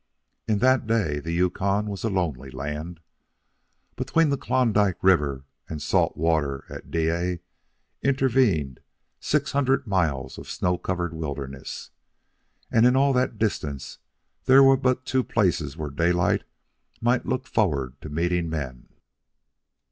In that day the Yukon was a lonely land. Between the Klondike River and Salt Water at Dyea intervened six hundred miles of snow covered wilderness, and in all that distance there were but two places where Daylight might look forward to meeting men.